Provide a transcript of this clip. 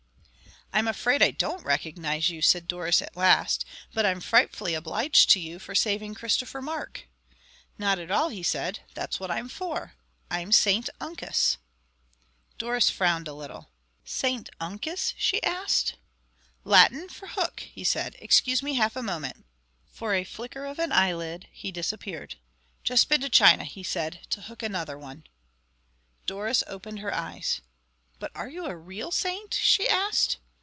"I'm afraid I don't recognize you," said Doris at last; "but I'm frightfully obliged to you for saving Christopher Mark." "Not at all," he said. "That's what I'm for. I'm St Uncus." Doris frowned a little. "St Uncus?" she asked. "Latin for hook," he said. "Excuse me half a moment." For a flicker of an eyelid he disappeared. "Just been to China," he said, "to hook another one." Doris opened her eyes. "But are you a real saint?" she asked.